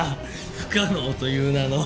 不可能という名の。